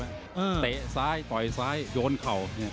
เตะซ้ายต่อยซ้ายโยนเข่า